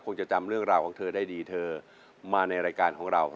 คงจะจำเรื่องราวของเธอได้ดีเธอมาในรายการของเรา